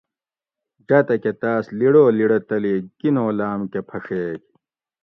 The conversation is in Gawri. جاۤتک اۤ تاۤس لیڑولیڑہ تلی کینولام کہ پھڛیگ